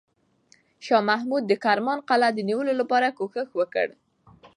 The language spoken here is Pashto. شاه محمود د کرمان قلعه د نیولو لپاره کوښښ وکړ.